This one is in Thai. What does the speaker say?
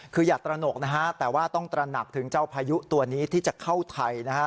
คืออย่าตระหนกนะฮะแต่ว่าต้องตระหนักถึงเจ้าพายุตัวนี้ที่จะเข้าไทยนะฮะ